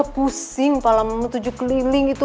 pusing kepala memetujuk keliling gitu